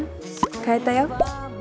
買えたよ。